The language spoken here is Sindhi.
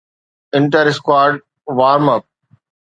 inter squad warm up